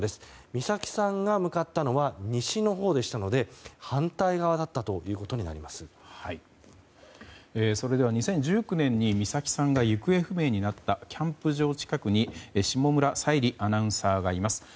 美咲さんが向かったのは西のほうでしたのでそれでは２０１９年に美咲さんが行方不明になったキャンプ場近くに下村彩里アナウンサーがいます。